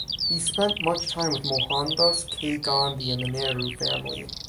He spent much time with Mohandas K. Gandhi, and the Nehru family.